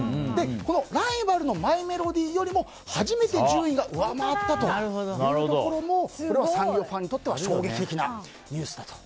このライバルのマイメロディよりも初めて順位が上回ったというところもこれはサンリオファンにとっても衝撃的なニュースだと。